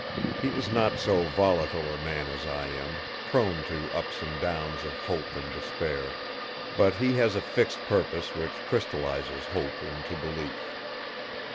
He is not so volatile a man as I am, prone to ups and downs of hope and despair; but he has a fixed purpose which crystallises hope into belief.